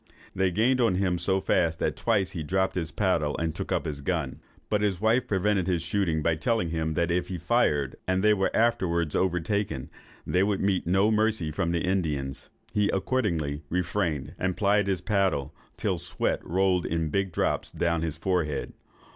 They gained on him so fast, that twice he dropped his paddle, and took up his gun. But his wife prevented his shooting, by telling him, that if he fired, and they were afterwards overtaken, they would meet no mercy from the Indians. He accordingly refrained, and plied his paddle, till the sweat rolled in big drops down his forehead.